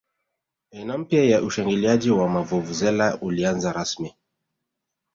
aina mpya ya ushangiliaji wa mavuvuzela ulianza rasmi